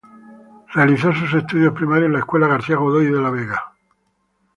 Realizó sus estudios primarios en la Escuela García Godoy de La Vega.